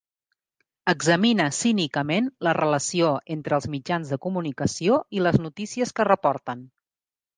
Examina cínicament la relació entre els mitjans de comunicació i les notícies que reporten.